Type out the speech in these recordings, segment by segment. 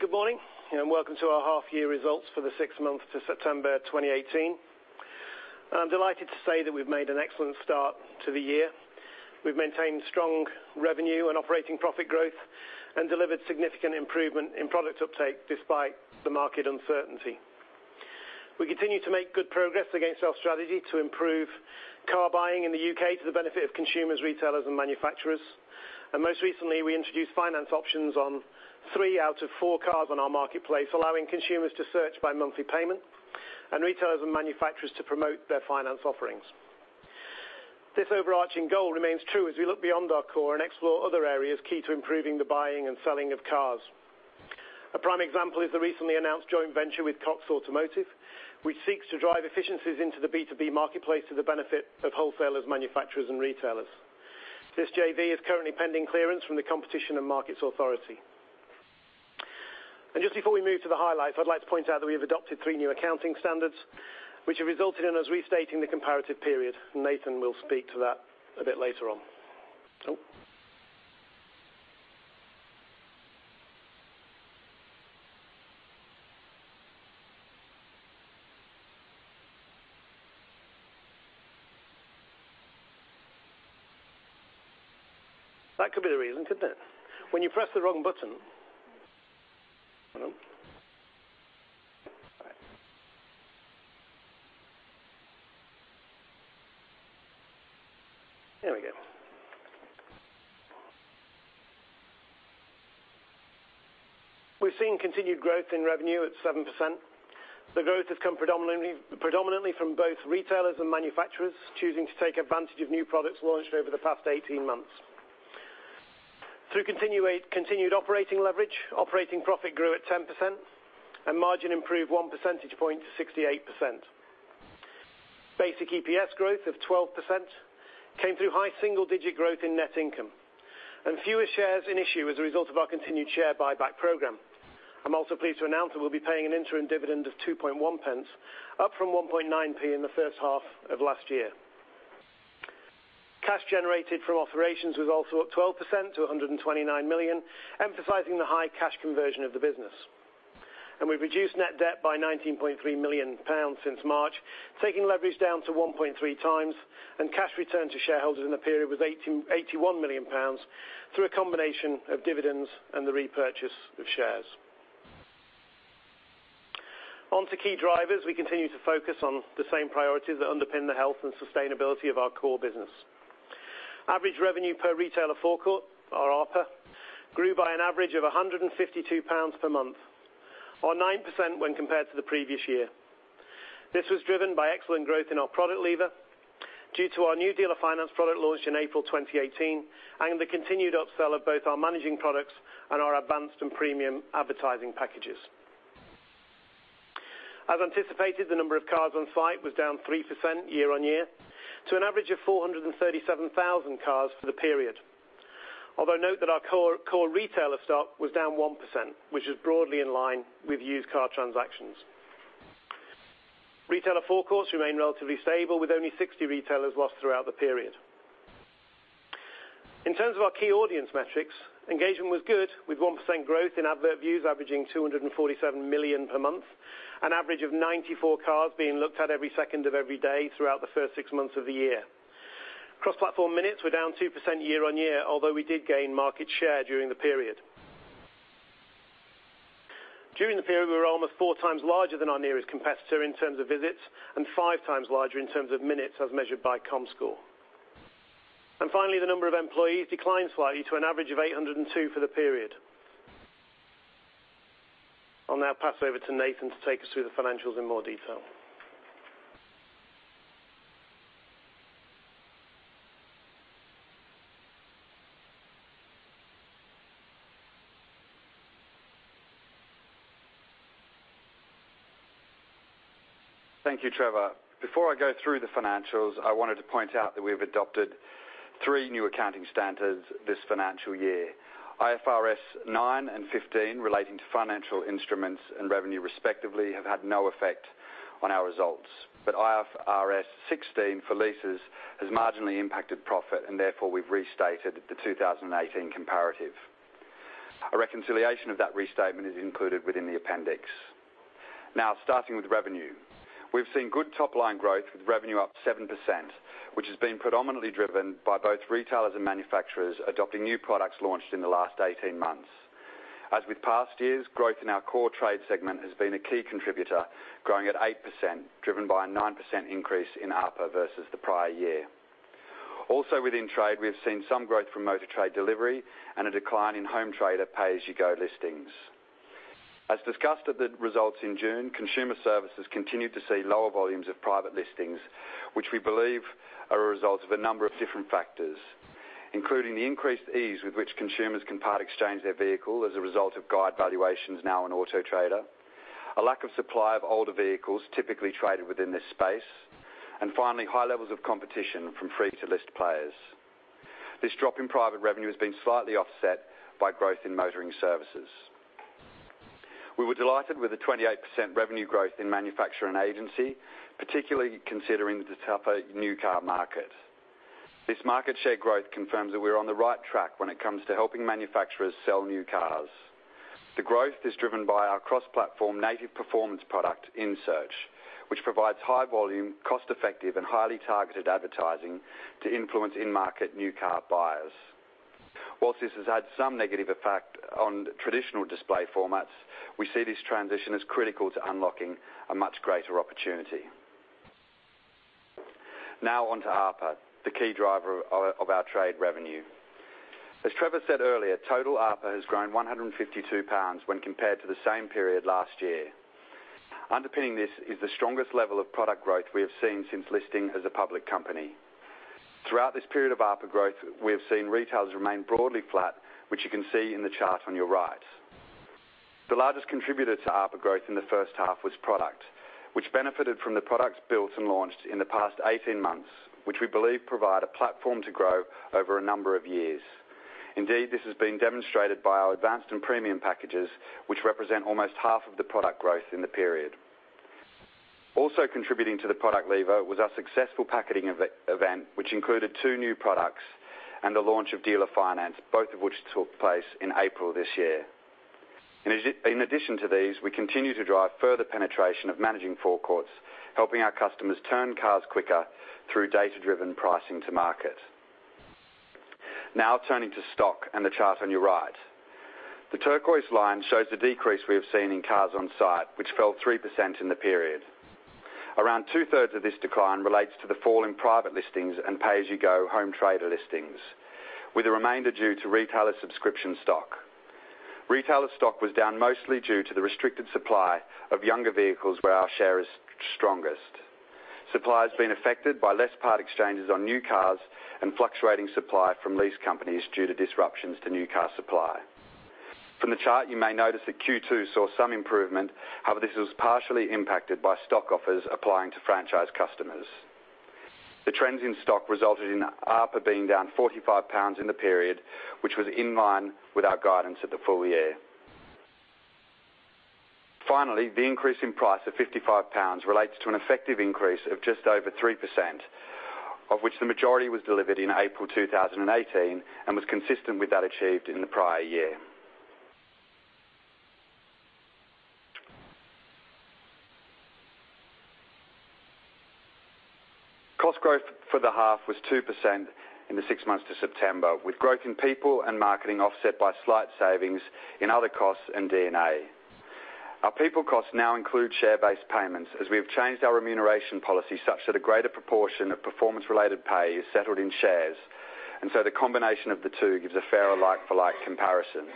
Good morning, welcome to our half year results for the six months to September 2018. I'm delighted to say that we've made an excellent start to the year. We've maintained strong revenue and operating profit growth and delivered significant improvement in product uptake despite the market uncertainty. We continue to make good progress against our strategy to improve car buying in the U.K. to the benefit of consumers, retailers, and manufacturers. Most recently, we introduced finance options on three out of four cars on our marketplace, allowing consumers to search by monthly payment, and retailers and manufacturers to promote their finance offerings. This overarching goal remains true as we look beyond our core and explore other areas key to improving the buying and selling of cars. A prime example is the recently announced joint venture with Cox Automotive, which seeks to drive efficiencies into the B2B marketplace to the benefit of wholesalers, manufacturers, and retailers. This JV is currently pending clearance from the Competition and Markets Authority. Just before we move to the highlights, I'd like to point out that we have adopted three new accounting standards, which have resulted in us restating the comparative period. Nathan will speak to that a bit later on. We're seeing continued growth in revenue at 7%. The growth has come predominantly from both retailers and manufacturers choosing to take advantage of new products launched over the past 18 months. Through continued operating leverage, operating profit grew at 10%, and margin improved one percentage point to 68%. Basic EPS growth of 12% came through high single-digit growth in net income, fewer shares in issue as a result of our continued share buyback program. I'm also pleased to announce that we'll be paying an interim dividend of 0.021, up from 0.019 in the first half of last year. Cash generated from operations was also up 12% to 129 million, emphasizing the high cash conversion of the business. We've reduced net debt by 19.3 million pounds since March, taking leverage down to 1.3 times, cash returned to shareholders in the period was 81 million pounds, through a combination of dividends and the repurchase of shares. On to key drivers. We continue to focus on the same priorities that underpin the health and sustainability of our core business. Average revenue per retailer forecourt, or ARPA, grew by an average of 152 pounds per month or 9% when compared to the previous year. This was driven by excellent growth in our product lever due to our new Dealer Finance product launched in April 2018 and the continued upsell of both our managing products and our Advanced and Premium advertising packages. As anticipated, the number of cars on site was down 3% year-on-year to an average of 437,000 cars for the period. Although note that our core retailer stock was down 1%, which is broadly in line with used car transactions. Retailer forecourts remain relatively stable with only 60 retailers lost throughout the period. In terms of our key audience metrics, engagement was good with 1% growth in advert views averaging 247 million per month. An average of 94 cars being looked at every second of every day throughout the first six months of the year. Cross-platform minutes were down 2% year-over-year, although we did gain market share during the period. During the period, we were almost four times larger than our nearest competitor in terms of visits, and five times larger in terms of minutes as measured by Comscore. Finally, the number of employees declined slightly to an average of 802 for the period. I'll now pass over to Nathan to take us through the financials in more detail. Thank you, Trevor. Before I go through the financials, I wanted to point out that we've adopted three new accounting standards this financial year. IFRS 9 and 15 relating to financial instruments and revenue respectively have had no effect on our results. But IFRS 16 for leases has marginally impacted profit, and therefore, we've restated the 2018 comparative. A reconciliation of that restatement is included within the appendix. Starting with revenue. We've seen good top-line growth with revenue up 7%, which has been predominantly driven by both retailers and manufacturers adopting new products launched in the last 18 months. As with past years, growth in our core trade segment has been a key contributor, growing at 8%, driven by a 9% increase in ARPA versus the prior year. Also within trade, we have seen some growth from Motor Trade Delivery and a decline in home trader pay-as-you-go listings. As discussed at the results in June, consumer services continued to see lower volumes of private listings, which we believe are a result of a number of different factors, including the increased ease with which consumers can part exchange their vehicle as a result of guide valuations now on Auto Trader, a lack of supply of older vehicles typically traded within this space, and finally, high levels of competition from free-to-list players. This drop in private revenue has been slightly offset by growth in motoring services. We were delighted with the 28% revenue growth in Manufacturer & Agency, particularly considering the tougher new car market. This market share growth confirms that we're on the right track when it comes to helping manufacturers sell new cars. The growth is driven by our cross-platform native performance product, InSearch, which provides high volume, cost-effective, and highly targeted advertising to influence in-market new car buyers. Whilst this has had some negative effect on traditional display formats, we see this transition as critical to unlocking a much greater opportunity. On to ARPA, the key driver of our trade revenue. As Trevor said earlier, total ARPA has grown 152 pounds when compared to the same period last year. Underpinning this is the strongest level of product growth we have seen since listing as a public company. Throughout this period of ARPA growth, we have seen retailers remain broadly flat, which you can see in the chart on your right. The largest contributor to ARPA growth in the first half was product, which benefited from the products built and launched in the past 18 months, which we believe provide a platform to grow over a number of years. Indeed, this has been demonstrated by our Advanced and Premium packages, which represent almost half of the product growth in the period. Also contributing to the product lever was our successful packaging event, which included two new products and the launch of Dealer Finance, both of which took place in April this year. In addition to these, we continue to drive further penetration of managing forecourts, helping our customers turn cars quicker through data-driven pricing to market. Turning to stock and the chart on your right. The turquoise line shows the decrease we have seen in cars on site, which fell 3% in the period. Around two-thirds of this decline relates to the fall in private listings and pay-as-you-go home trader listings, with the remainder due to retailer subscription stock. Retailer stock was down mostly due to the restricted supply of younger vehicles where our share is strongest. Supply has been affected by less part exchanges on new cars and fluctuating supply from lease companies due to disruptions to new car supply. From the chart, you may notice that Q2 saw some improvement. This was partially impacted by stock offers applying to franchise customers. The trends in stock resulted in ARPA being down 45 pounds in the period, which was in line with our guidance at the full year. The increase in price of 55 pounds relates to an effective increase of just over 3%, of which the majority was delivered in April 2018 and was consistent with that achieved in the prior year. Cost growth for the half was 2% in the six months to September, with growth in people and marketing offset by slight savings in other costs and D&A. Our people costs now include share-based payments, as we have changed our remuneration policy such that a greater proportion of performance-related pay is settled in shares. The combination of the two gives a fairer like-for-like comparison.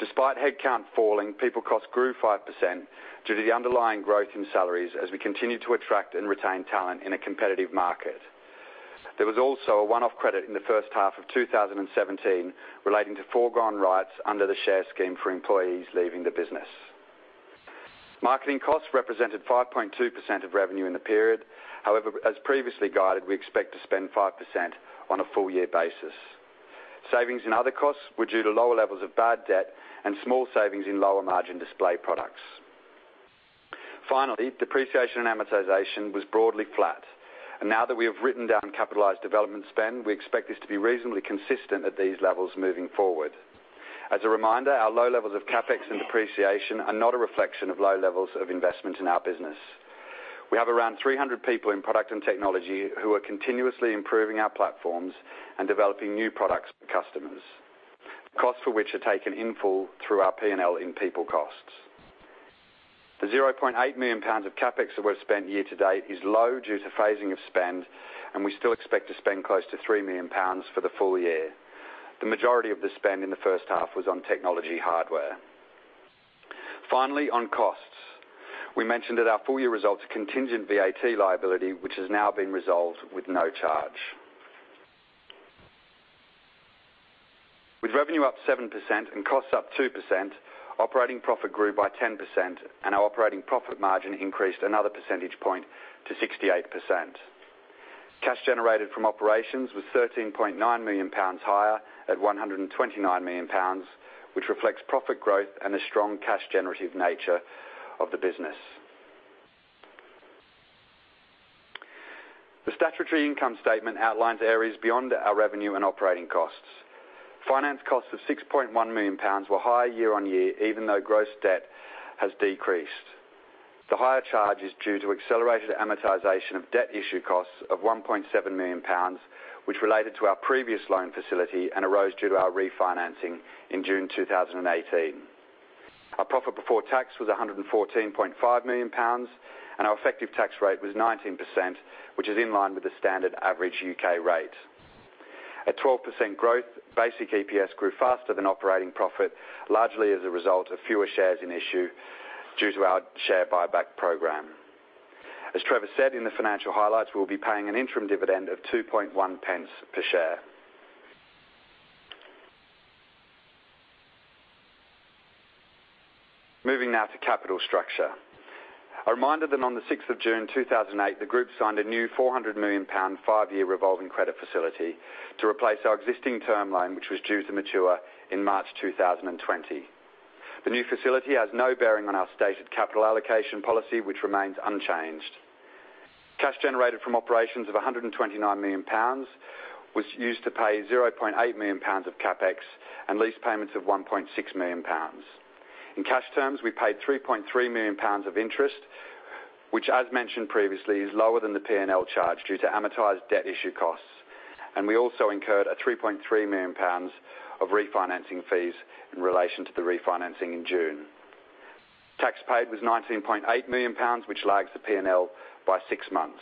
Despite headcount falling, people costs grew 5% due to the underlying growth in salaries as we continued to attract and retain talent in a competitive market. There was also a one-off credit in the first half of 2017 relating to foregone rights under the share scheme for employees leaving the business. Marketing costs represented 5.2% of revenue in the period. As previously guided, we expect to spend 5% on a full year basis. Savings in other costs were due to lower levels of bad debt and small savings in lower margin display products. Depreciation and amortization was broadly flat. Now that we have written down capitalized development spend, we expect this to be reasonably consistent at these levels moving forward. As a reminder, our low levels of CapEx and depreciation are not a reflection of low levels of investment in our business. We have around 300 people in product and technology who are continuously improving our platforms and developing new products for customers, costs for which are taken in full through our P&L in people costs. The 0.8 million pounds of CapEx that we've spent year to date is low due to phasing of spend, and we still expect to spend close to 3 million pounds for the full year. The majority of the spend in the first half was on technology hardware. On costs. We mentioned at our full year results a contingent VAT liability, which has now been resolved with no charge. With revenue up 7% and costs up 2%, operating profit grew by 10% and our operating profit margin increased another percentage point to 68%. Cash generated from operations was 13.9 million pounds higher at 129 million pounds, which reflects profit growth and a strong cash generative nature of the business. The statutory income statement outlines areas beyond our revenue and operating costs. Finance costs of 6.1 million pounds were higher year-over-year, even though gross debt has decreased. The higher charge is due to accelerated amortization of debt issue costs of 1.7 million pounds, which related to our previous loan facility and arose due to our refinancing in June 2018. Our profit before tax was 114.5 million pounds, and our effective tax rate was 19%, which is in line with the standard average U.K. rate. At 12% growth, basic EPS grew faster than operating profit, largely as a result of fewer shares in issue due to our share buyback program. As Trevor said in the financial highlights, we will be paying an interim dividend of 0.021 per share. Moving now to capital structure. A reminder that on the 6th of June 2008, the group signed a new 400 million pound five-year revolving credit facility to replace our existing term loan, which was due to mature in March 2020. The new facility has no bearing on our stated capital allocation policy, which remains unchanged. Cash generated from operations of 129 million pounds was used to pay 0.8 million pounds of CapEx and lease payments of 1.6 million pounds. In cash terms, we paid 3.3 million pounds of interest, which as mentioned previously, is lower than the P&L charge due to amortized debt issue costs. We also incurred 3.3 million pounds of refinancing fees in relation to the refinancing in June. Tax paid was 19.8 million pounds, which lags the P&L by six months.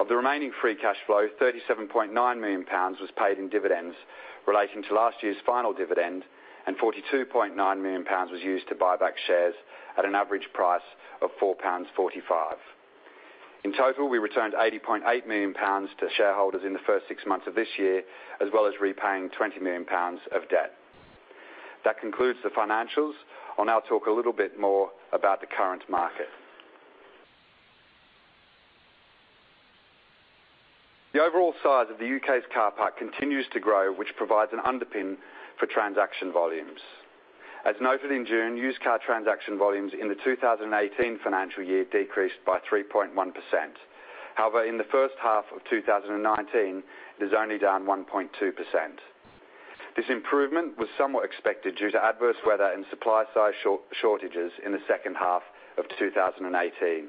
Of the remaining free cash flow, 37.9 million pounds was paid in dividends relating to last year's final dividend, and 42.9 million pounds was used to buy back shares at an average price of 4.45 pounds. In total, we returned 80.8 million pounds to shareholders in the first six months of this year, as well as repaying 20 million pounds of debt. That concludes the financials. I will now talk a little bit more about the current market. The overall size of the U.K.'s car park continues to grow, which provides an underpin for transaction volumes. As noted in June, used car transaction volumes in the 2018 financial year decreased by 3.1%. However, in the first half of 2019, it is only down 1.2%. This improvement was somewhat expected due to adverse weather and supply-side shortages in the second half of 2018.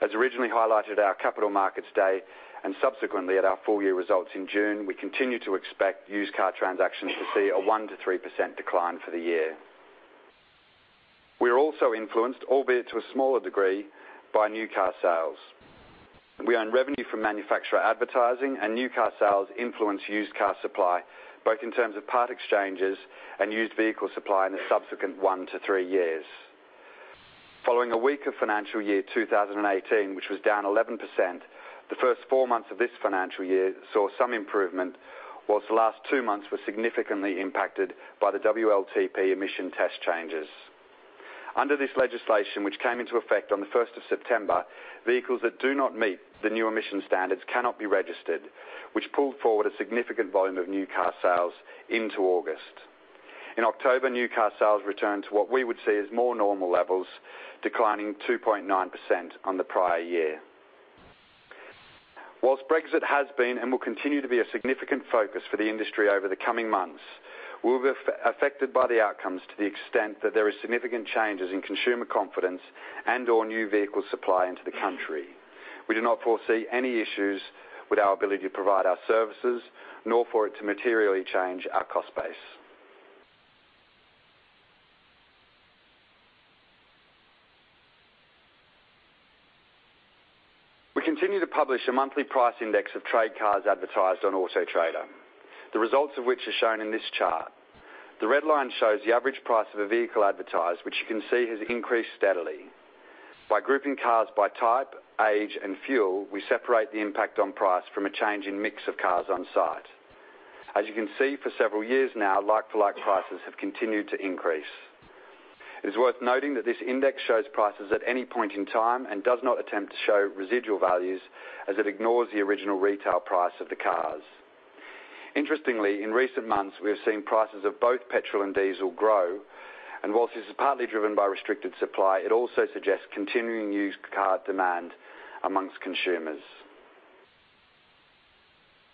As originally highlighted at our capital markets day, and subsequently at our full year results in June, we continue to expect used car transactions to see a 1%-3% decline for the year. We are also influenced, albeit to a smaller degree, by new car sales. We earn revenue from manufacturer advertising, new car sales influence used car supply, both in terms of part exchanges and used vehicle supply in the subsequent one to three years. Following a weaker financial year 2018, which was down 11%, the first four months of this financial year saw some improvement, whilst the last two months were significantly impacted by the WLTP emission test changes. Under this legislation, which came into effect on the 1st of September, vehicles that do not meet the new emission standards cannot be registered, which pulled forward a significant volume of new car sales into August. In October, new car sales returned to what we would see as more normal levels, declining 2.9% on the prior year. Whilst Brexit has been and will continue to be a significant focus for the industry over the coming months, we will be affected by the outcomes to the extent that there is significant changes in consumer confidence and/or new vehicle supply into the country. We do not foresee any issues with our ability to provide our services, nor for it to materially change our cost base. We continue to publish a monthly price index of trade cars advertised on Auto Trader, the results of which are shown in this chart. The red line shows the average price of a vehicle advertised, which you can see has increased steadily. By grouping cars by type, age, and fuel, we separate the impact on price from a change in mix of cars on-site. As you can see, for several years now, like-for-like prices have continued to increase. It is worth noting that this index shows prices at any point in time and does not attempt to show residual values, as it ignores the original retail price of the cars. Interestingly, in recent months, we have seen prices of both petrol and diesel grow, and whilst this is partly driven by restricted supply, it also suggests continuing used car demand amongst consumers.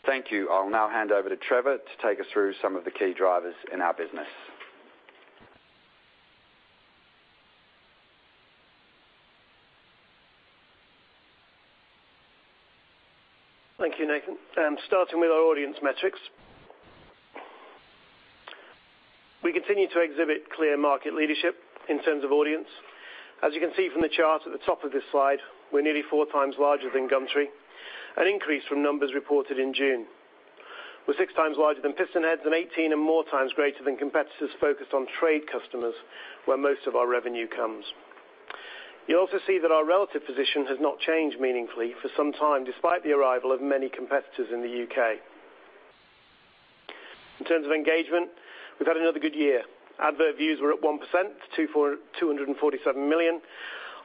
Thank you. I will now hand over to Trevor to take us through some of the key drivers in our business. Thank you, Nathan. Starting with our audience metrics. We continue to exhibit clear market leadership in terms of audience. As you can see from the chart at the top of this slide, we are nearly four times larger than Gumtree, an increase from numbers reported in June. We are six times larger than PistonHeads and 18 and more times greater than competitors focused on trade customers, where most of our revenue comes. You also see that our relative position has not changed meaningfully for some time, despite the arrival of many competitors in the U.K. In terms of engagement, we have had another good year. Advert views were up 1%, to 247 million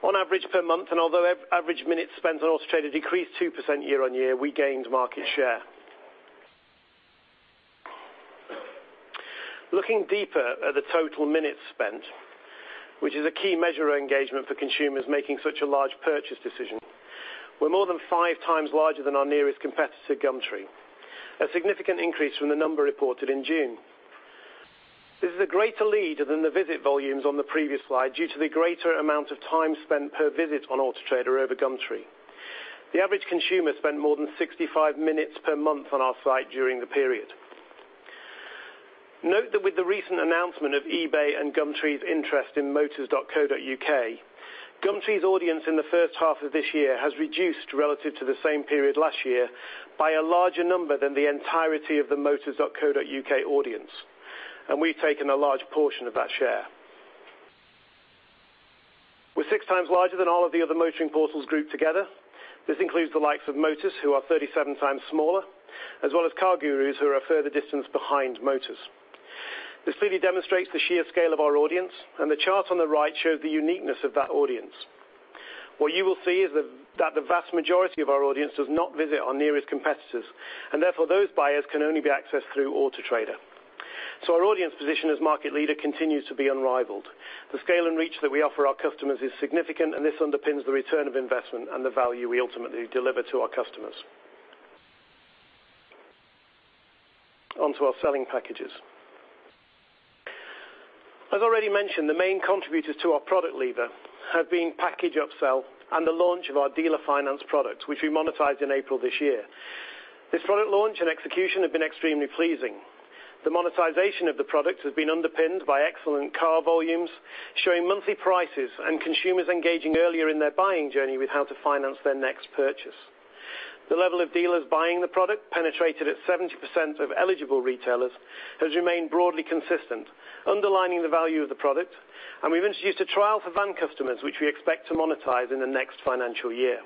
on average per month. Although average minutes spent on Auto Trader decreased 2% year on year, we gained market share. Looking deeper at the total minutes spent, which is a key measure of engagement for consumers making such a large purchase decision, we are more than five times larger than our nearest competitor, Gumtree. A significant increase from the number reported in June. This is a greater lead than the visit volumes on the previous slide due to the greater amount of time spent per visit on Auto Trader over Gumtree. The average consumer spent more than 65 minutes per month on our site during the period. Note that with the recent announcement of eBay and Gumtree's interest in motors.co.uk, Gumtree's audience in the first half of this year has reduced relative to the same period last year by a larger number than the entirety of the motors.co.uk audience, and we have taken a large portion of that share. We are six times larger than all of the other motoring portals grouped together. This includes the likes of Motors, who are 37 times smaller, as well as CarGurus, who are a further distance behind Motors. This clearly demonstrates the sheer scale of our audience, and the chart on the right shows the uniqueness of that audience. What you will see is that the vast majority of our audience does not visit our nearest competitors, and therefore, those buyers can only be accessed through Auto Trader. Our audience position as market leader continues to be unrivaled. The scale and reach that we offer our customers is significant, and this underpins the return of investment and the value we ultimately deliver to our customers. On to our selling packages. As already mentioned, the main contributors to our product lever have been package upsell and the launch of our Dealer Finance product, which we monetized in April this year. This product launch and execution have been extremely pleasing. The monetization of the product has been underpinned by excellent car volumes, showing monthly prices, and consumers engaging earlier in their buying journey with how to finance their next purchase. The level of dealers buying the product penetrated at 70% of eligible retailers has remained broadly consistent, underlining the value of the product, and we've introduced a trial for van customers, which we expect to monetize in the next financial year.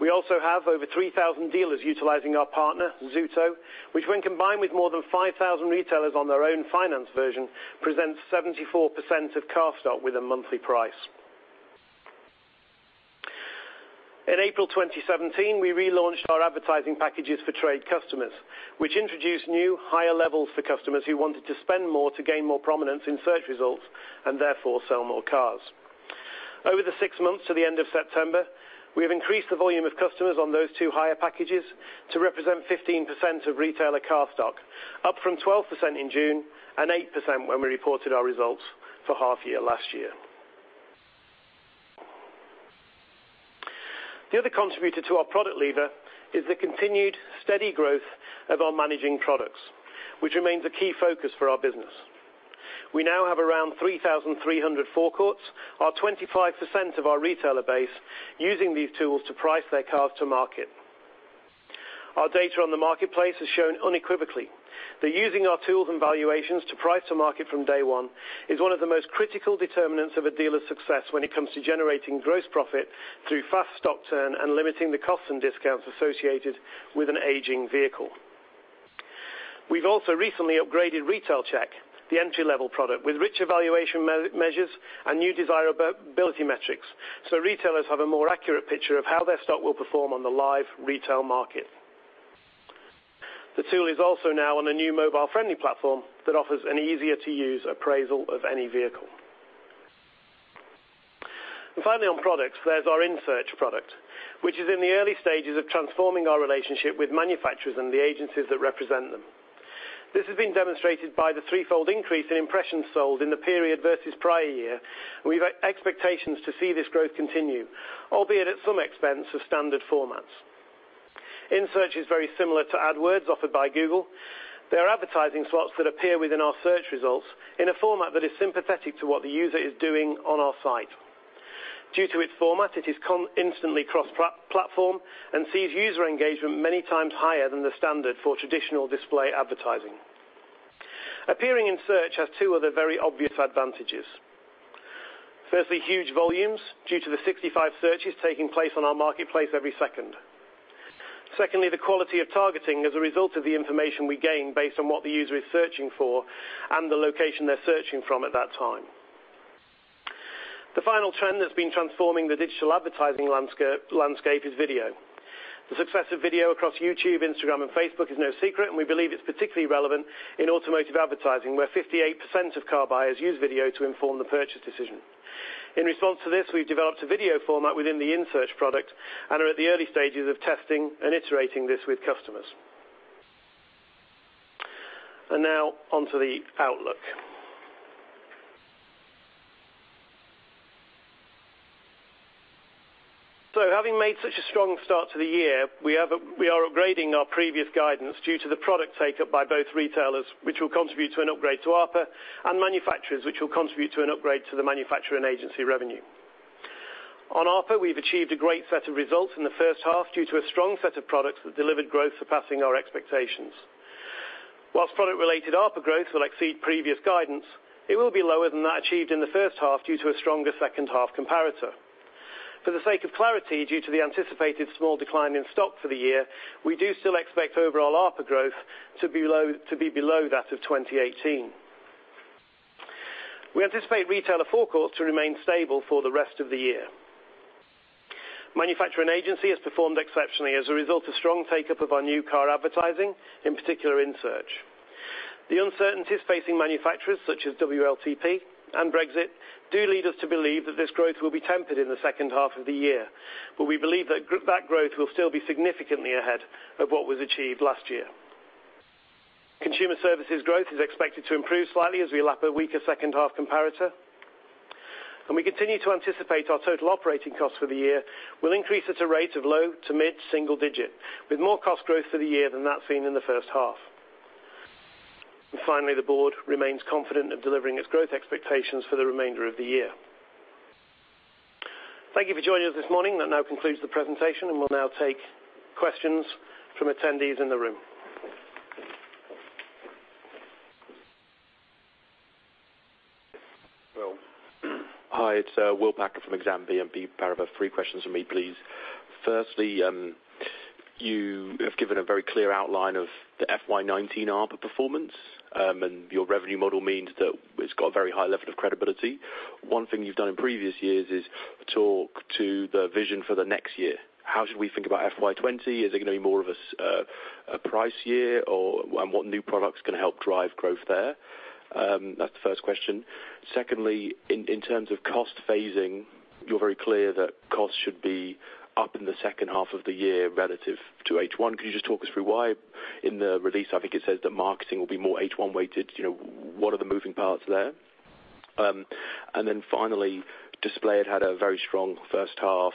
We also have over 3,000 dealers utilizing our partner, Zuto, which when combined with more than 5,000 retailers on their own finance version, presents 74% of car stock with a monthly price. In April 2017, we relaunched our advertising packages for trade customers, which introduced new higher levels for customers who wanted to spend more to gain more prominence in search results, and therefore sell more cars. Over the six months to the end of September, we have increased the volume of customers on those two higher packages to represent 15% of retailer car stock, up from 12% in June and 8% when we reported our results for half year last year. The other contributor to our product lever is the continued steady growth of our managing products, which remains a key focus for our business. We now have around 3,300 forecourts. Our 25% of our retailer base using these tools to price their cars to market. Our data on the marketplace has shown unequivocally that using our tools and valuations to price the market from day one is one of the most critical determinants of a dealer's success when it comes to generating gross profit through fast stock turn and limiting the costs and discounts associated with an aging vehicle. We've also recently upgraded Retail Check, the entry-level product, with richer valuation measures and new desirability metrics so retailers have a more accurate picture of how their stock will perform on the live retail market. The tool is also now on a new mobile-friendly platform that offers an easier-to-use appraisal of any vehicle. And finally, on products, there's our InSearch product, which is in the early stages of transforming our relationship with manufacturers and the agencies that represent them. This has been demonstrated by the threefold increase in impressions sold in the period versus prior year. We've expectations to see this growth continue, albeit at some expense of standard formats. InSearch is very similar to AdWords offered by Google. They are advertising slots that appear within our search results in a format that is sympathetic to what the user is doing on our site. Due to its format, it is instantly cross-platform and sees user engagement many times higher than the standard for traditional display advertising. Appearing in Search has two other very obvious advantages. Firstly, huge volumes due to the 65 searches taking place on our marketplace every second. Secondly, the quality of targeting as a result of the information we gain based on what the user is searching for and the location they are searching from at that time. The final trend that has been transforming the digital advertising landscape is video. The success of video across YouTube, Instagram, and Facebook is no secret, and we believe it is particularly relevant in automotive advertising, where 58% of car buyers use video to inform the purchase decision. In response to this, we have developed a video format within the InSearch product and are at the early stages of testing and iterating this with customers. Now, on to the outlook. Having made such a strong start to the year, we are upgrading our previous guidance due to the product take-up by both retailers, which will contribute to an upgrade to ARPA, and manufacturers, which will contribute to an upgrade to the Manufacturer & Agency revenue. On ARPA, we have achieved a great set of results in the first half due to a strong set of products that delivered growth surpassing our expectations. Whilst product-related ARPA growth will exceed previous guidance, it will be lower than that achieved in the first half due to a stronger second half comparator. For the sake of clarity, due to the anticipated small decline in stock for the year, we do still expect overall ARPA growth to be below that of 2018. We anticipate retailer forecourts to remain stable for the rest of the year. Manufacturer & Agency has performed exceptionally as a result of strong take-up of our new car advertising, in particular, InSearch. The uncertainties facing manufacturers such as WLTP and Brexit do lead us to believe that this growth will be tempered in the second half of the year, but we believe that that growth will still be significantly ahead of what was achieved last year. Consumer services growth is expected to improve slightly as we lap a weaker second half comparator. We continue to anticipate our total operating costs for the year will increase at a rate of low to mid-single digit, with more cost growth for the year than that seen in the first half. Finally, the board remains confident of delivering its growth expectations for the remainder of the year. Thank you for joining us this morning. That now concludes the presentation, we will now take questions from attendees in the room. Will. Hi, it's William Packer from Exane BNP Paribas. 3 questions from me, please. Firstly, you have given a very clear outline of the FY 2019 ARPA performance, and your revenue model means that it's got a very high level of credibility. One thing you've done in previous years is talk to the vision for the next year. How should we think about FY 2020? Is it going to be more of a price year and what new products can help drive growth there? That's the first question. Secondly, in terms of cost phasing, you're very clear that costs should be up in the second half of the year relative to H1. Could you just talk us through why? In the release, I think it says that marketing will be more H1 weighted. What are the moving parts there? Finally, display had a very strong first half.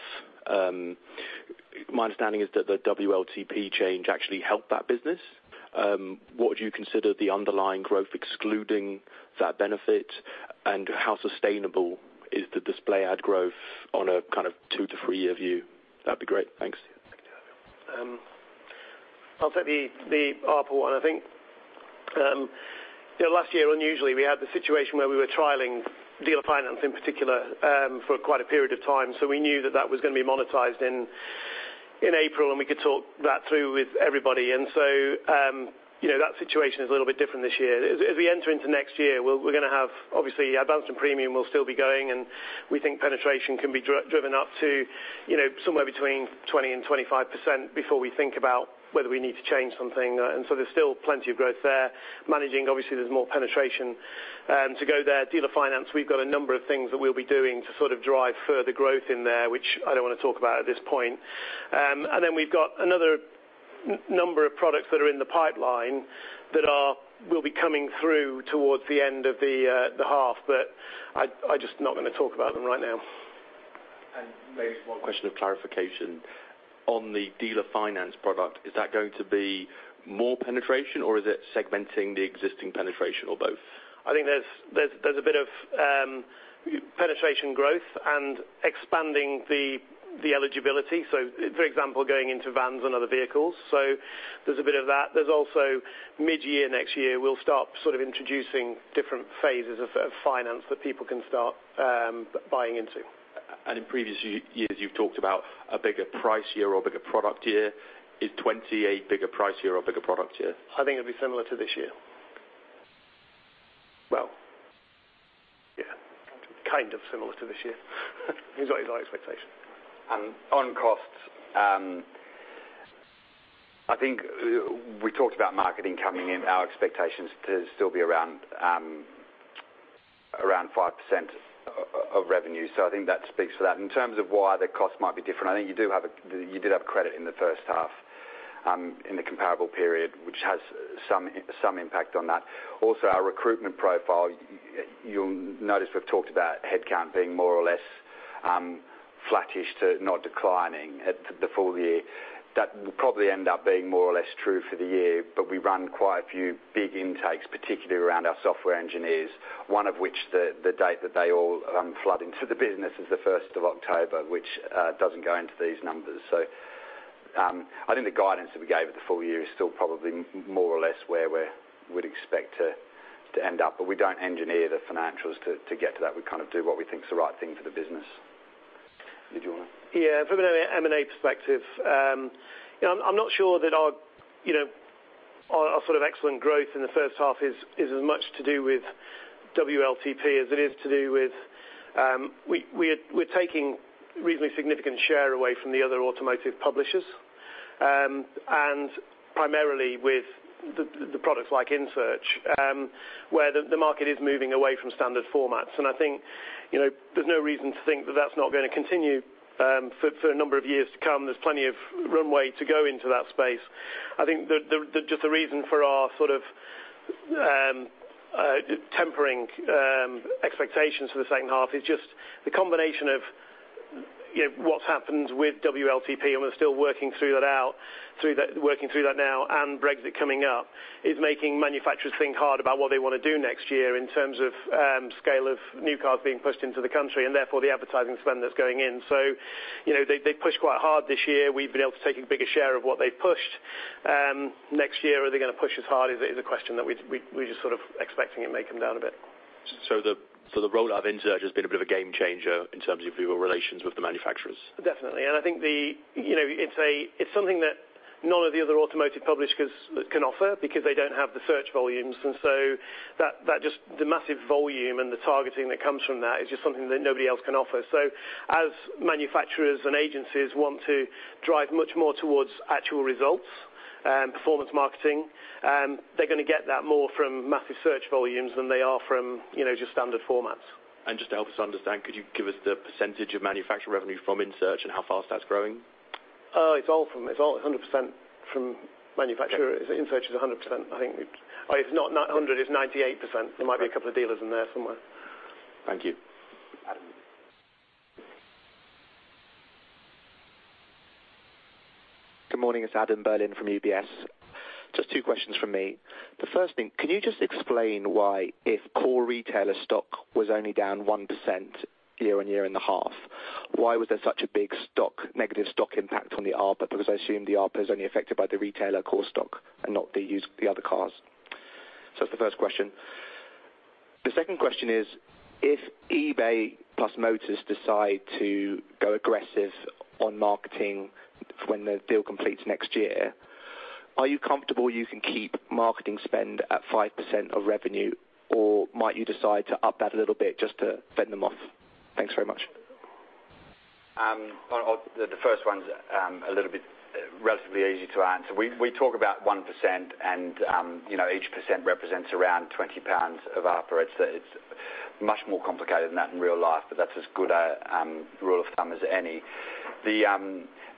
My understanding is that the WLTP change actually helped that business. What would you consider the underlying growth excluding that benefit? How sustainable is the display ad growth on a kind of 2-3-year view? That'd be great. Thanks. I'll take the ARPA one. I think last year unusually we had the situation where we were trialing Dealer Finance in particular for quite a period of time. We knew that was going to be monetized in April, we could talk that through with everybody. That situation is a little bit different this year. As we enter into next year, we're going to have, obviously, our Advanced and Premium will still be going, and we think penetration can be driven up to somewhere between 20%-25% before we think about whether we need to change something. There's still plenty of growth there. Managing, obviously there's more penetration to go there. Dealer Finance, we've got a number of things that we'll be doing to drive further growth in there, which I don't want to talk about at this point. We've got another number of products that are in the pipeline that will be coming through towards the end of the half, I'm just not going to talk about them right now. maybe one question of clarification. On the Dealer Finance product, is that going to be more penetration, or is it segmenting the existing penetration, or both? I think there's a bit of penetration growth and expanding the eligibility. For example, going into vans and other vehicles. There's a bit of that. There's also mid-year next year, we'll start introducing different phases of finance that people can start buying into. In previous years, you've talked about a bigger price year or a bigger product year. Is 2020 bigger price year or a bigger product year? I think it'll be similar to this year. Well, yeah. Kind of similar to this year. He's got his high expectation. On costs. I think we talked about marketing coming in, our expectations to still be around 5% of revenue. I think that speaks to that. In terms of why the cost might be different, I think you did have credit in the first half, in the comparable period, which has some impact on that. Also our recruitment profile. You'll notice we've talked about headcount being more or less flattish to not declining at the full year. That will probably end up being more or less true for the year, but we run quite a few big intakes, particularly around our software engineers. One of which the date that they all flood into the business is the 1st of October, which doesn't go into these numbers. I think the guidance that we gave at the full year is still probably more or less where we'd expect to end up, but we don't engineer the financials to get to that. We do what we think is the right thing for the business. Did you want to? Yeah. From an M&A perspective, I'm not sure that our excellent growth in the first half is as much to do with WLTP as it is to do with. We're taking reasonably significant share away from the other automotive publishers, and primarily with the products like InSearch, where the market is moving away from standard formats. I think there's no reason to think that's not going to continue for a number of years to come. There's plenty of runway to go into that space. I think just the reason for our tempering expectations for the second half is just the combination of what's happened with WLTP, and we're still working through that now, and Brexit coming up is making manufacturers think hard about what they want to do next year in terms of scale of new cars being pushed into the country, and therefore the advertising spend that's going in. They pushed quite hard this year. We've been able to take a bigger share of what they've pushed. Next year, are they going to push as hard? Is a question that we're just expecting it may come down a bit. The rollout of InSearch has been a bit of a game changer in terms of your relations with the manufacturers. Definitely. I think it's something that none of the other automotive publishers can offer because they don't have the search volumes. That just the massive volume and the targeting that comes from that is just something that nobody else can offer. As manufacturers and agencies want to drive much more towards actual results, performance marketing, they're going to get that more from massive search volumes than they are from just standard formats. Just to help us understand, could you give us the percentage of manufacturer revenue from InSearch and how fast that's growing? It's all 100% from manufacturer. InSearch is 100%. I think it's not 100%, it's 98%. There might be a couple of dealers in there somewhere. Thank you. Adam. Good morning. It's Adam Berlin from UBS. Just two questions from me. The first thing, can you just explain why if core retailer stock was only down 1% year-on-year in the half, why was there such a big negative stock impact on the ARPA? Because I assume the ARPA is only affected by the retailer core stock and not the other cars. That's the first question. The second question is, if eBay plus Motors decide to go aggressive on marketing when the deal completes next year, are you comfortable you can keep marketing spend at 5% of revenue, or might you decide to up that a little bit just to fend them off? Thanks very much. The first one's a little bit relatively easy to answer. We talk about 1%, and each percent represents around 20 pounds of ARPA. It's much more complicated than that in real life, but that's as good a rule of thumb as any.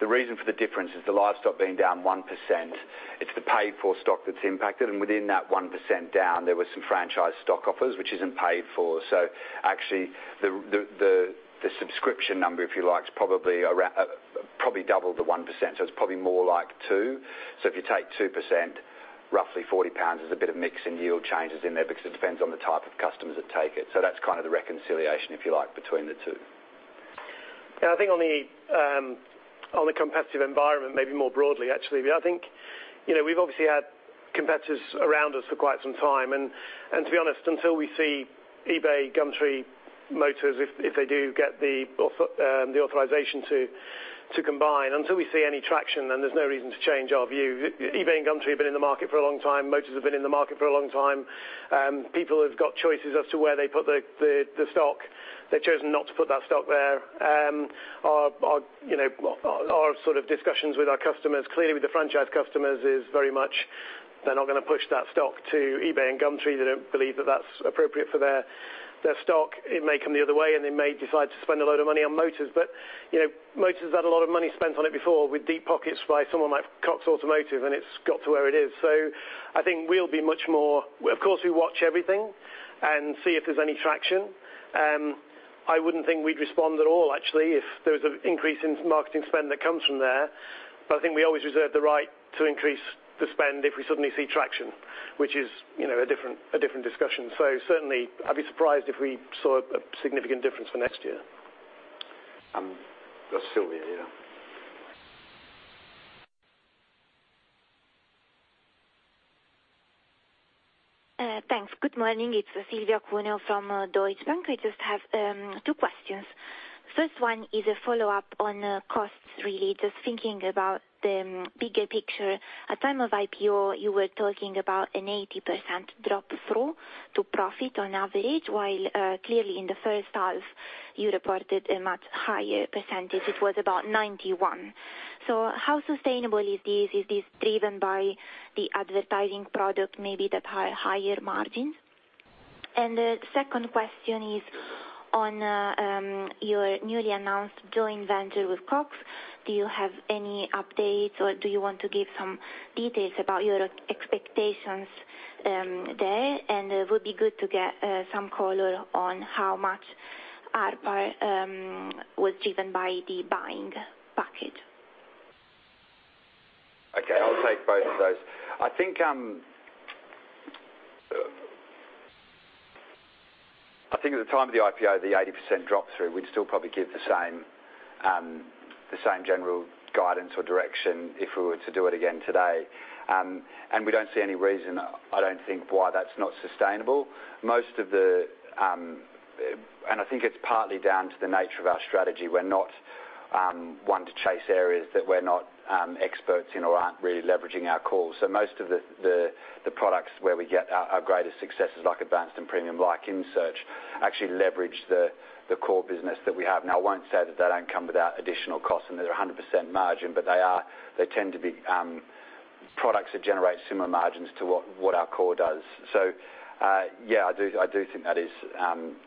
The reason for the difference is the live stock being down 1%. It's the paid-for stock that's impacted, and within that 1% down, there was some franchise stock offers, which isn't paid for. Actually, the subscription number, if you like, is probably double the 1%, so it's probably more like two. If you take 2%, roughly 40 pounds. There's a bit of mix and yield changes in there because it depends on the type of customers that take it. That's kind of the reconciliation, if you like, between the two. I think on the competitive environment, maybe more broadly, actually. I think we've obviously had competitors around us for quite some time. To be honest, until we see eBay, Gumtree, Motors, if they do get the authorization to combine, until we see any traction, there's no reason to change our view. eBay and Gumtree have been in the market for a long time. Motors have been in the market for a long time. People have got choices as to where they put the stock. They've chosen not to put that stock there. Our discussions with our customers, clearly with the franchise customers, is very much they're not going to push that stock to eBay and Gumtree. They don't believe that that's appropriate for their stock. It may come the other way, and they may decide to spend a lot of money on Motors. Motors had a lot of money spent on it before with deep pockets by someone like Cox Automotive, it's got to where it is. Of course, we watch everything and see if there's any traction. I wouldn't think we'd respond at all, actually, if there was an increase in marketing spend that comes from there. I think we always reserve the right to increase the spend if we suddenly see traction, which is a different discussion. Certainly, I'd be surprised if we saw a significant difference for next year. Silvia, yeah. Thanks. Good morning. It's Silvia Cuneo from Deutsche Bank. We just have two questions. First one is a follow-up on costs, really, just thinking about the bigger picture. At time of IPO, you were talking about an 80% drop through to profit on average, while clearly in the first half, you reported a much higher percentage. It was about 91. How sustainable is this? Is this driven by the advertising product, maybe that higher margin? The second question is on your newly announced joint venture with Cox. Do you have any updates, or do you want to give some details about your expectations there? It would be good to get some color on how much ARPA was driven by the buying package. Okay, I'll take both of those. I think at the time of the IPO, the 80% drop through, we'd still probably give the same general guidance or direction if we were to do it again today. We don't see any reason, I don't think, why that's not sustainable. I think it's partly down to the nature of our strategy. We're not one to chase areas that we're not experts in or aren't really leveraging our core. Most of the products where we get our greatest successes, like Advanced and Premium InSearch, actually leverage the core business that we have. Now, I won't say that they don't come without additional costs and they're 100% margin, but they tend to be products that generate similar margins to what our core does. Yeah, I do think that is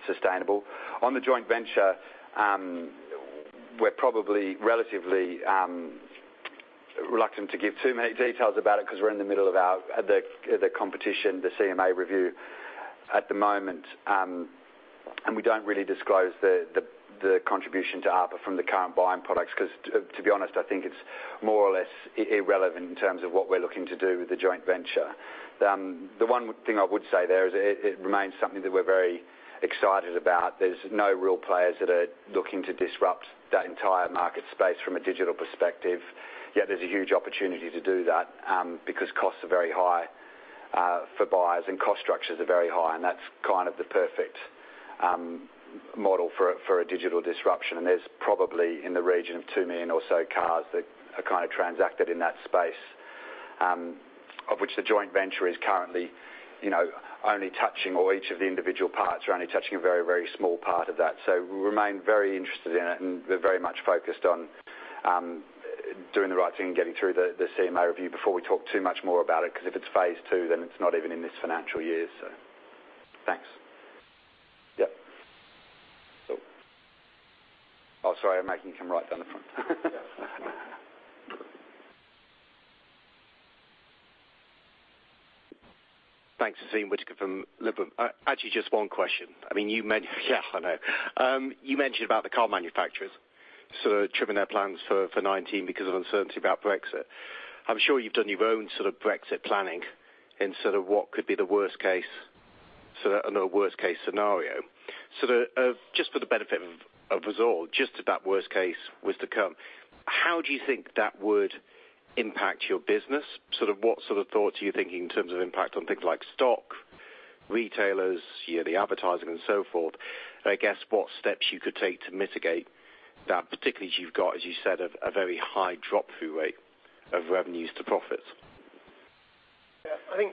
sustainable. On the joint venture, we are probably relatively reluctant to give too many details about it because we are in the middle of the competition, the CMA review at the moment. We do not really disclose the contribution to ARPA from the current buying products because, to be honest, I think it is more or less irrelevant in terms of what we are looking to do with the joint venture. The one thing I would say there is it remains something that we are very excited about. There is no real players that are looking to disrupt that entire market space from a digital perspective. There is a huge opportunity to do that because costs are very high for buyers and cost structures are very high, and that is kind of the perfect model for a digital disruption. There is probably in the region of 2 million or so cars that are transacted in that space, of which the joint venture is currently only touching, or each of the individual parts are only touching a very, very small part of that. We remain very interested in it, and we are very much focused on doing the right thing and getting through the CMA review before we talk too much more about it, because if it is phase two, then it is not even in this financial year. Thanks. Yep. Sorry, I am making him come right down the front. Yeah. Thanks. Niasseem Wit-booi from Liberum. Just one question. I mean, you Yeah, I know. You mentioned about the car manufacturers sort of trimming their plans for 2019 because of uncertainty about Brexit. I am sure you have done your own sort of Brexit planning in sort of what could be the worst case. In a worst case scenario, just for the benefit of us all, just if that worst case was to come, how do you think that would impact your business? What sort of thoughts are you thinking in terms of impact on things like stock, retailers, the advertising and so forth? What steps you could take to mitigate that, particularly as you have got, as you said, a very high drop-through rate of revenues to profits? I think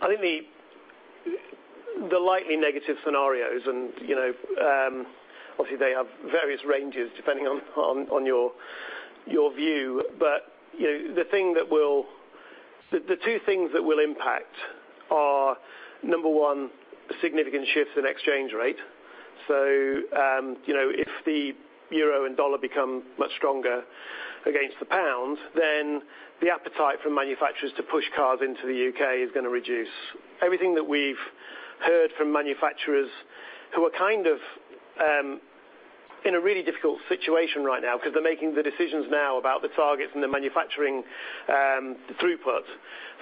the lightly negative scenarios and obviously they have various ranges depending on your view. The two things that will impact are, number one, significant shifts in exchange rate. If the euro and dollar become much stronger against the pound, then the appetite from manufacturers to push cars into the U.K. is going to reduce. Everything that we have heard from manufacturers, who are kind of in a really difficult situation right now because they are making the decisions now about the targets and the manufacturing throughput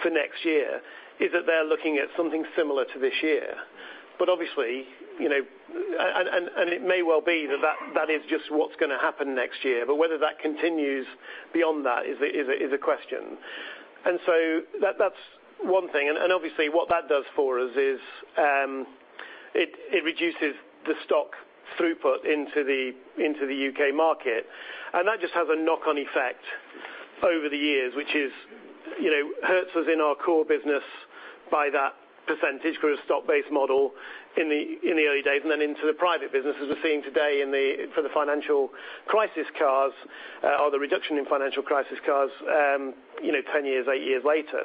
for next year, is that they are looking at something similar to this year. It may well be that that is just what is going to happen next year. But whether that continues beyond that is a question. That is one thing. Obviously what that does for us is, it reduces the stock throughput into the U.K. market. That just has a knock-on effect over the years, which hurts us in our core business by that percentage because we're a stock-based model in the early days and then into the private business as we're seeing today for the financial crisis cars, or the reduction in financial crisis cars 10 years, 8 years later.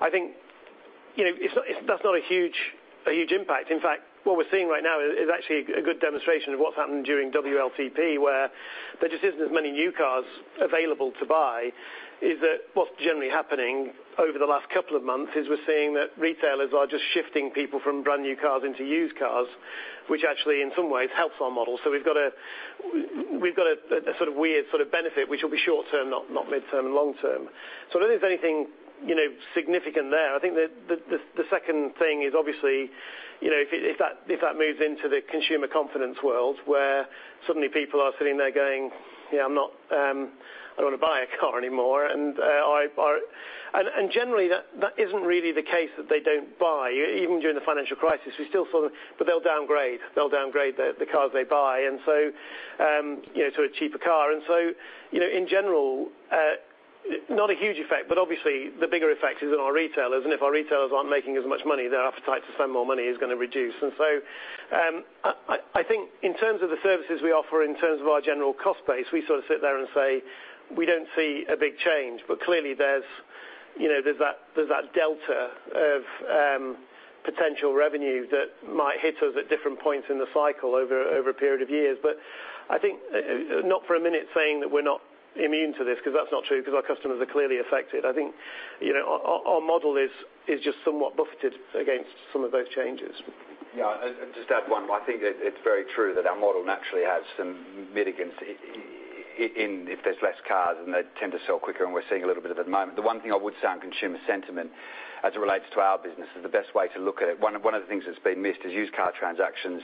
I think that's not a huge impact. In fact, what we're seeing right now is actually a good demonstration of what's happened during WLTP, where there just isn't as many new cars available to buy, is that what's generally happening over the last couple of months is we're seeing that retailers are just shifting people from brand new cars into used cars, which actually in some ways helps our model. We've got a sort of weird benefit, which will be short-term, not mid-term and long-term. I don't think there's anything significant there. I think that the second thing is obviously, if that moves into the consumer confidence world, where suddenly people are sitting there going, "Yeah, I don't want to buy a car anymore." Generally that isn't really the case that they don't buy. Even during the financial crisis, we still saw that they'll downgrade the cars they buy, so a cheaper car. In general, not a huge effect, but obviously the bigger effect is on our retailers. If our retailers aren't making as much money, their appetite to spend more money is going to reduce. I think in terms of the services we offer, in terms of our general cost base, we sort of sit there and say we don't see a big change, but clearly there's that delta of potential revenue that might hit us at different points in the cycle over a period of years. I think, not for a minute saying that we're not immune to this, because that's not true, because our customers are clearly affected. I think our model is just somewhat buffeted against some of those changes. Yeah. I'd just add one. I think it's very true that our model naturally has some mitigants if there's less cars, and they tend to sell quicker, and we're seeing a little bit of at the moment. The one thing I would say on consumer sentiment as it relates to our business is the best way to look at it. One of the things that's been missed is used car transactions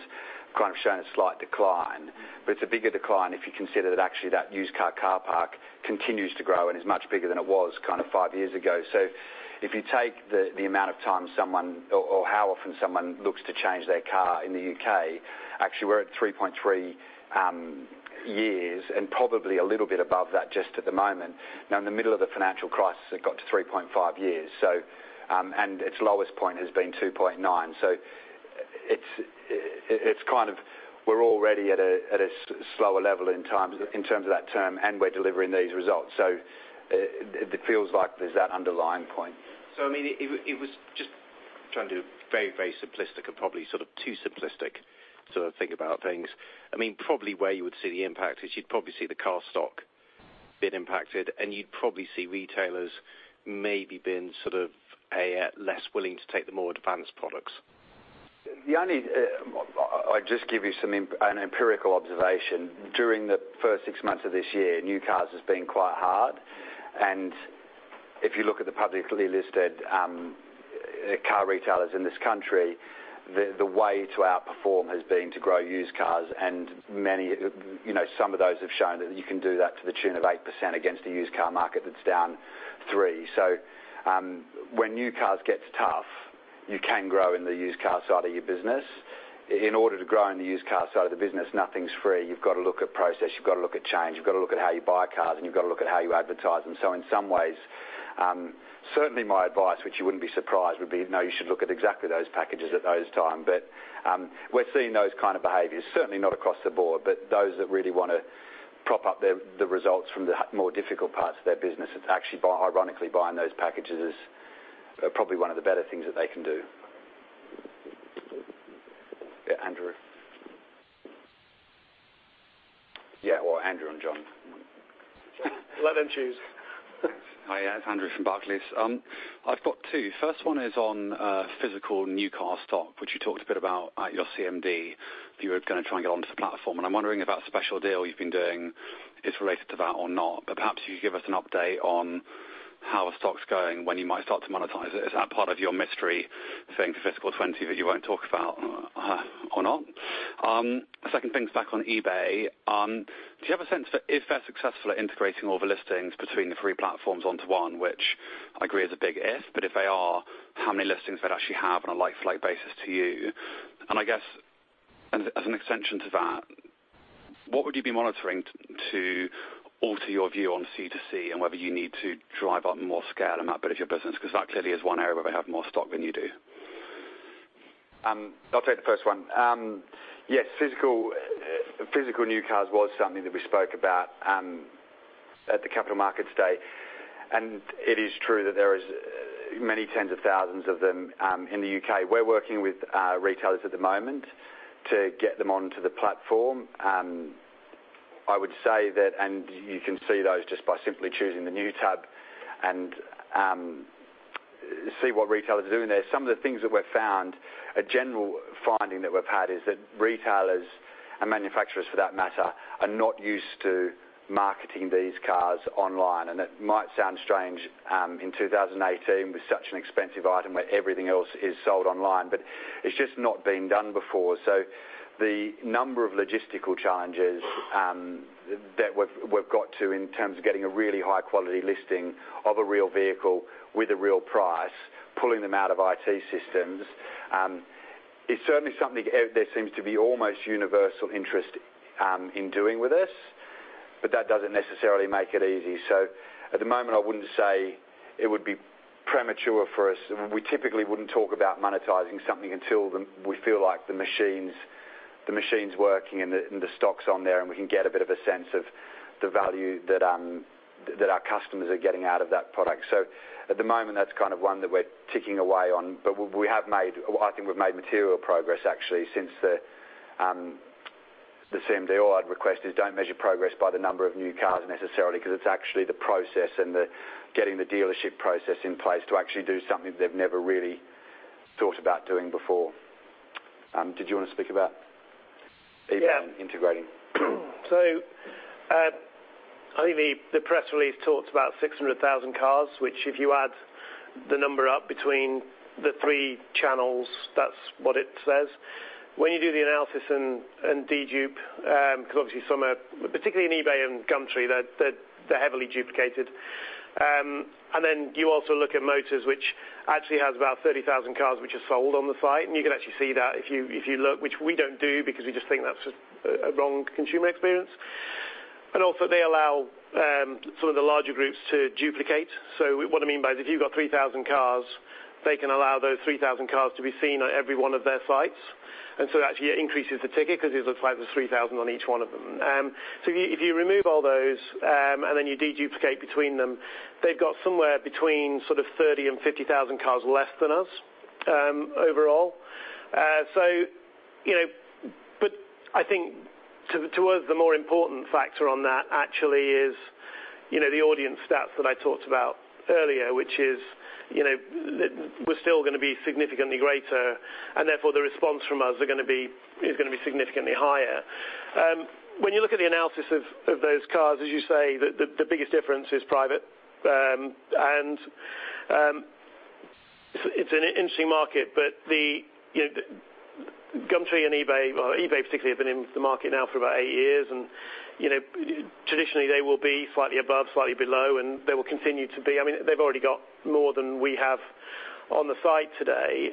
kind of showing a slight decline, but it's a bigger decline if you consider that actually that used car car park continues to grow and is much bigger than it was kind of five years ago. If you take the amount of time someone, or how often someone looks to change their car in the U.K., actually we're at 3.3 years and probably a little bit above that just at the moment. In the middle of the financial crisis, it got to 3.5 years. Its lowest point has been 2.9. It's kind of we're already at a slower level in terms of that term, and we're delivering these results. It feels like there's that underlying point. I mean, it was just trying to do very simplistic and probably sort of too simplistic sort of think about things. Probably where you would see the impact is you'd probably see the car stock being impacted and you'd probably see retailers maybe being less willing to take the more advanced products. I'll just give you an empirical observation. During the first six months of this year, new cars has been quite hard. If you look at the publicly listed car retailers in this country, the way to outperform has been to grow used cars. Some of those have shown that you can do that to the tune of 8% against a used car market that's down 3%. When new cars gets tough, you can grow in the used car side of your business. In order to grow in the used car side of the business, nothing's free. You've got to look at process. You've got to look at change. You've got to look at how you buy cars, and you've got to look at how you advertise them. In some ways, certainly my advice, which you wouldn't be surprised, would be, no, you should look at exactly those packages at those time. We're seeing those kind of behaviors, certainly not across the board, but those that really want to prop up the results from the more difficult parts of their business. It's actually ironically buying those packages is probably one of the better things that they can do. Yeah, Andrew. Yeah, or Andrew and John. Let them choose. Hi. It's Andrew from Barclays. I've got two. First one is on physical new car stock, which you talked a bit about at your CMD, that you were going to try and get onto the platform. I'm wondering about special deal you've been doing is related to that or not. Perhaps you could give us an update on how are stocks going? When you might start to monetize it? Is that part of your mystery thing for fiscal 2020 that you won't talk about or not? Second thing is back on eBay. Do you have a sense for if they're successful at integrating all the listings between the three platforms onto one, which I agree is a big if, but if they are, how many listings they'd actually have on a like-for-like basis to you? I guess as an extension to that, what would you be monitoring to alter your view on C2C and whether you need to drive up more scale in that bit of your business? Because that clearly is one area where they have more stock than you do. I'll take the first one. Yes, physical new cars was something that we spoke about at the capital markets day, it is true that there is many tens of thousands of them in the U.K. We're working with retailers at the moment to get them onto the platform. I would say that, you can see those just by simply choosing the New tab and see what retailers are doing there. Some of the things that we've found, a general finding that we've had is that retailers, manufacturers for that matter, are not used to marketing these cars online. It might sound strange in 2018 with such an expensive item where everything else is sold online, but it's just not been done before. The number of logistical challenges that we've got to in terms of getting a really high-quality listing of a real vehicle with a real price, pulling them out of IT systems, is certainly something there seems to be almost universal interest in doing with us, but that doesn't necessarily make it easy. At the moment, I wouldn't say it would be premature for us. We typically wouldn't talk about monetizing something until we feel like the machine's working and the stock's on there, and we can get a bit of a sense of the value that our customers are getting out of that product. At the moment, that's one that we're ticking away on, but I think we've made material progress, actually, since the CMD. All I'd request is don't measure progress by the number of new cars necessarily, because it's actually the process and the getting the dealership process in place to actually do something they've never really thought about doing before. Did you want to speak about eBay integrating? Yeah. I think the press release talks about 600,000 cars, which if you add the number up between the three channels, that's what it says. When you do the analysis and dedup, because obviously some are, particularly in eBay and Gumtree, they're heavily duplicated. Then you also look at Motors, which actually has about 30,000 cars which are sold on the site, and you can actually see that if you look, which we don't do because we just think that's a wrong consumer experience. Also, they allow some of the larger groups to duplicate. What I mean by that, if you've got 3,000 cars, they can allow those 3,000 cars to be seen on every one of their sites. It actually increases the ticket because it looks like there's 3,000 on each one of them. If you remove all those, then you de-duplicate between them, they've got somewhere between 30,000 and 50,000 cars less than us overall. I think to us, the more important factor on that actually is the audience stats that I talked about earlier, which is we're still going to be significantly greater, therefore, the response from us is going to be significantly higher. When you look at the analysis of those cars, as you say, the biggest difference is private. It's an interesting market, but Gumtree and eBay, well, eBay particularly, have been in the market now for about eight years, traditionally they will be slightly above, slightly below, they will continue to be. They've already got more than we have on the site today.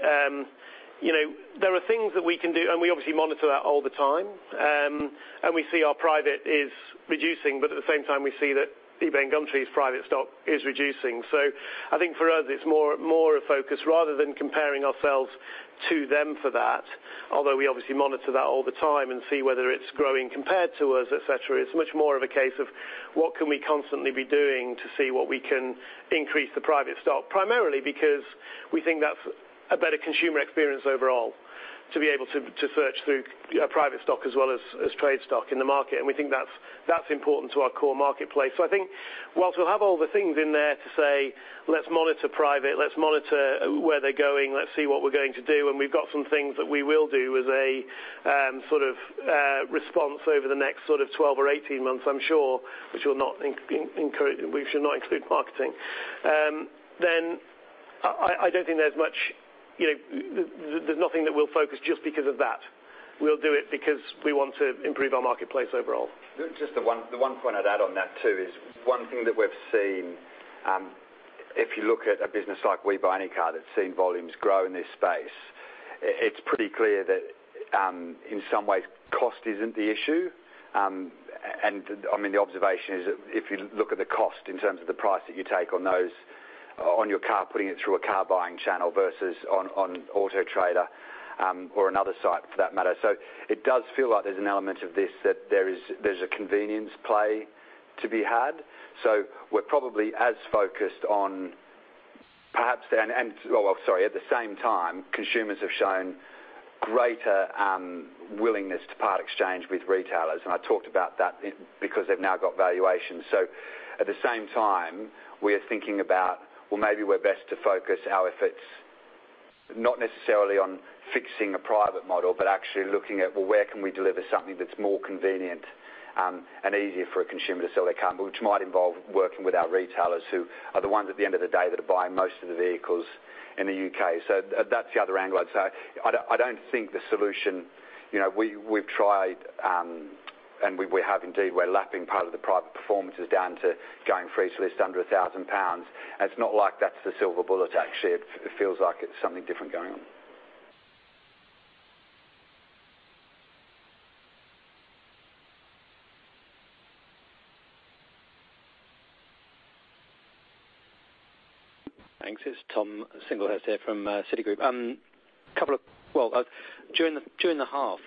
There are things that we can do, we obviously monitor that all the time. We see our private is reducing, but at the same time, we see that eBay and Gumtree's private stock is reducing. I think for us, it's more a focus rather than comparing ourselves to them for that. Although we obviously monitor that all the time and see whether it's growing compared to us, et cetera. It's much more of a case of what can we constantly be doing to see what we can increase the private stock, primarily because we think that's a better consumer experience overall, to be able to search through private stock as well as trade stock in the market. We think that's important to our core marketplace. I think whilst we'll have all the things in there to say, let's monitor private, let's monitor where they're going, let's see what we're going to do, and we've got some things that we will do as a response over the next 12 or 18 months, I'm sure, which we should not include marketing. I don't think there's nothing that we'll focus just because of that. We'll do it because we want to improve our marketplace overall. Just the one point I'd add on that too is one thing that we've seen, if you look at a business like WeBuyAnyCar that's seen volumes grow in this space, it's pretty clear that in some ways cost isn't the issue. The observation is if you look at the cost in terms of the price that you take on your car, putting it through a car buying channel versus on Auto Trader or another site for that matter. It does feel like there's an element of this that there's a convenience play to be had. We're probably as focused on perhaps. At the same time, consumers have shown greater willingness to part exchange with retailers, and I talked about that because they've now got valuations. At the same time, we're thinking about, well, maybe we're best to focus our efforts Not necessarily on fixing a private model, but actually looking at where can we deliver something that's more convenient and easier for a consumer to sell their car, which might involve working with our retailers who are the ones at the end of the day that are buying most of the vehicles in the U.K. That's the other angle I'd say. I don't think the solution We've tried and we have indeed, we're lapping part of the private performance is down to going free to list under 1,000 pounds. It's not like that's the silver bullet. Actually, it feels like it's something different going on. Thanks. It's Tom Singlehurst here from Citigroup. During the half,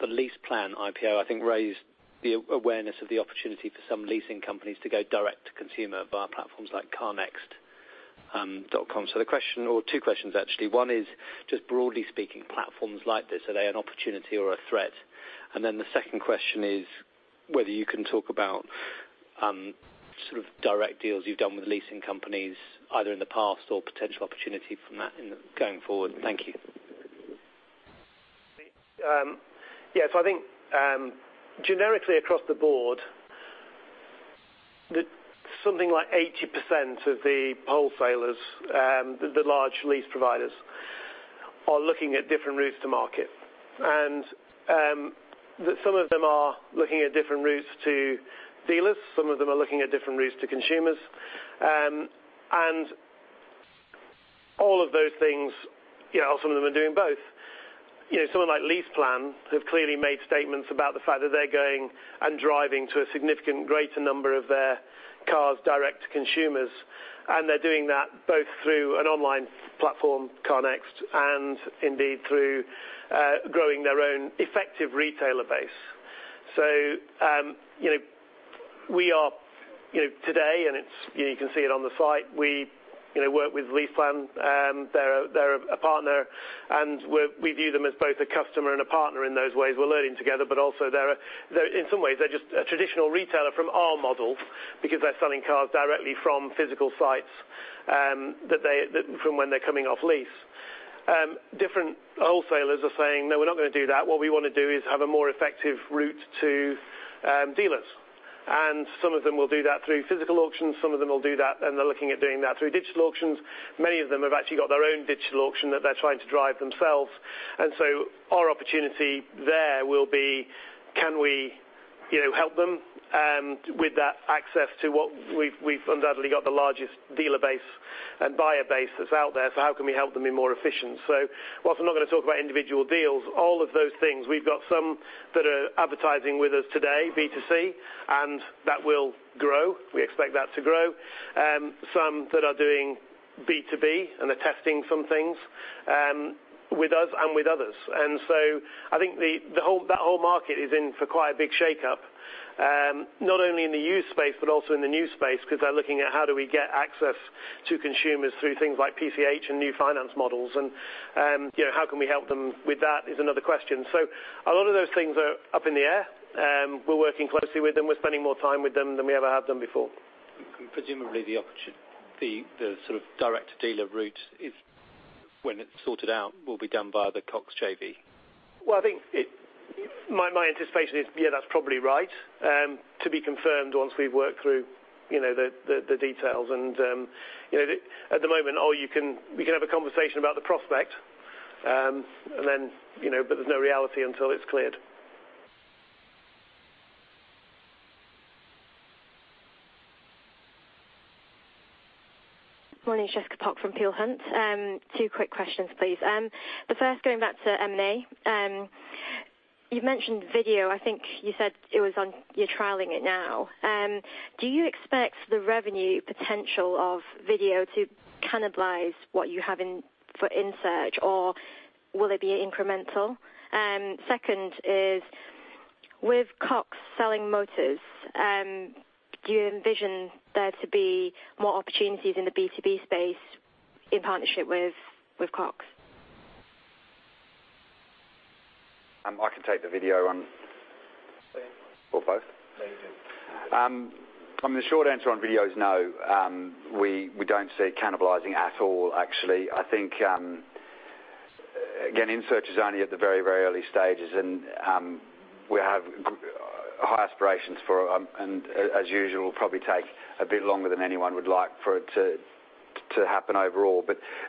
the LeasePlan IPO, I think raised the awareness of the opportunity for some leasing companies to go direct to consumer via platforms like CarNext.com. The question or two questions actually. One is just broadly speaking, platforms like this, are they an opportunity or a threat? The second question is whether you can talk about sort of direct deals you've done with leasing companies, either in the past or potential opportunity from that going forward. Thank you. I think generically across the board, something like 80% of the wholesalers, the large lease providers, are looking at different routes to market. Some of them are looking at different routes to dealers. Some of them are looking at different routes to consumers. All of those things, some of them are doing both. Someone like LeasePlan have clearly made statements about the fact that they're going and driving to a significant greater number of their cars direct to consumers. They're doing that both through an online platform, CarNext, and indeed through growing their own effective retailer base. We are today, and you can see it on the site, we work with LeasePlan. They're a partner, and we view them as both a customer and a partner in those ways. We're learning together, also in some ways, they're just a traditional retailer from our model because they're selling cars directly from physical sites from when they're coming off lease. Different wholesalers are saying, "No, we're not going to do that. What we want to do is have a more effective route to dealers." Some of them will do that through physical auctions, some of them will do that, they're looking at doing that through digital auctions. Many of them have actually got their own digital auction that they're trying to drive themselves. Our opportunity there will be, can we help them with that access to what we've undoubtedly got the largest dealer base and buyer base that's out there. How can we help them be more efficient? Whilst I'm not going to talk about individual deals, all of those things, we've got some that are advertising with us today, B2C, that will grow. We expect that to grow. Some that are doing B2B, they're testing some things with us and with others. I think that whole market is in for quite a big shakeup, not only in the used space, but also in the new space, because they're looking at how do we get access to consumers through things like PCH and new finance models and how can we help them with that is another question. A lot of those things are up in the air. We're working closely with them. We're spending more time with them than we ever have done before. Presumably the opportunity, the sort of direct dealer route is when it's sorted out, will be done via the Cox JV. I think my anticipation is, yeah, that's probably right. To be confirmed once we've worked through the details. At the moment, we can have a conversation about the prospect, but there's no reality until it's cleared. Morning, Jessica Spake from Peel Hunt. Two quick questions, please. First, going back to M&A. You mentioned video. I think you said you're trialing it now. Do you expect the revenue potential of video to cannibalize what you have for InSearch, or will it be incremental? Second is, with Cox selling Motors.co.uk, do you envision there to be more opportunities in the B2B space in partnership with Cox? I can take the video on. Both? No, you do. Short answer on video is no. We don't see it cannibalizing at all, actually. InSearch is only at the very early stages, we have high aspirations for them, as usual, it'll probably take a bit longer than anyone would like for it to happen overall.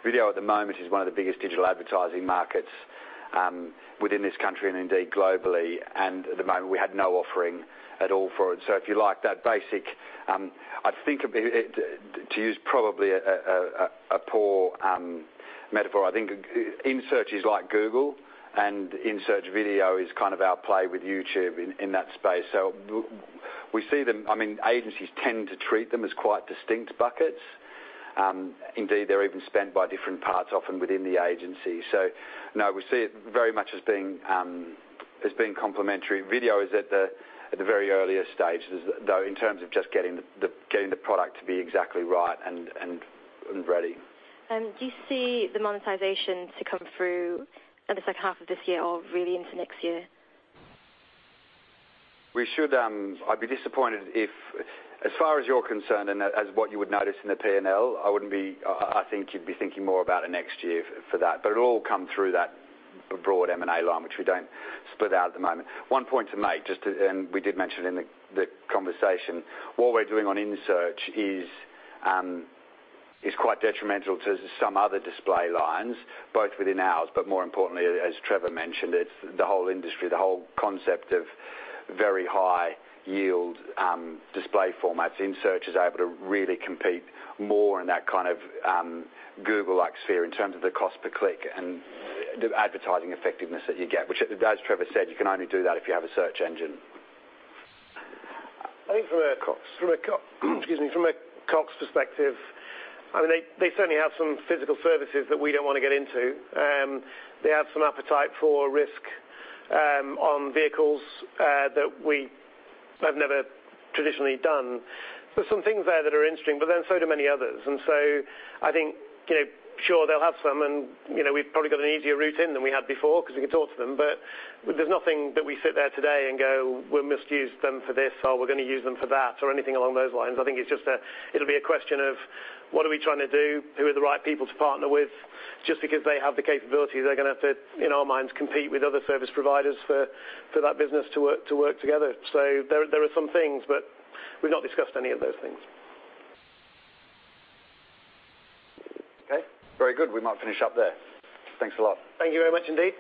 Video at the moment is one of the biggest digital advertising markets within this country and indeed globally. At the moment, we had no offering at all for it. If you like that basic, InSearch is like Google, InSearch video is kind of our play with YouTube in that space. We see them, agencies tend to treat them as quite distinct buckets. Indeed, they're even spent by different parts, often within the agency. No, we see it very much as being complementary. Video is at the very earliest stages, though, in terms of just getting the product to be exactly right and ready. Do you see the monetization to come through in the second half of this year or really into next year? We should. I'd be disappointed if, as far as you're concerned and as what you would notice in the P&L, I think you'd be thinking more about it next year for that. It'll all come through that broad M&A line, which we don't split out at the moment. One point to make, and we did mention in the conversation, what we're doing on InSearch is quite detrimental to some other display lines, both within ours, but more importantly, as Trevor mentioned, it's the whole industry, the whole concept of very high yield display formats. InSearch is able to really compete more in that kind of Google-like sphere in terms of the cost per click and the advertising effectiveness that you get, which as Trevor said, you can only do that if you have a search engine. I think from a Cox perspective, they certainly have some physical services that we don't want to get into. They have some appetite for risk on vehicles that we have never traditionally done. There's some things there that are interesting, so do many others. I think, sure, they'll have some, and we've probably got an easier route in than we had before because we can talk to them. There's nothing that we sit there today and go, we must use them for this, or we're going to use them for that or anything along those lines. I think it'll be a question of what are we trying to do? Who are the right people to partner with? Just because they have the capability, they're going to have to, in our minds, compete with other service providers for that business to work together. There are some things, we've not discussed any of those things. Okay. Very good. We might finish up there. Thanks a lot. Thank you very much indeed.